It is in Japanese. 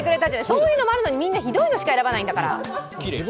そういうのがあるのにみんなひどいのしか選ばないんだから。